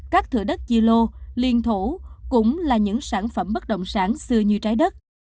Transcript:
các thửa đất chi lô liên thủ cũng là những sản phẩm bất đồng sản xưa như trái đất